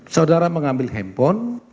saudara mengambil handphone